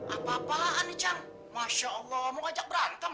apa apaan nih cang masya allah mau ajak berantem